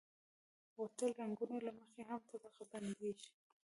بوتل د رنګونو له مخې هم طبقه بندېږي.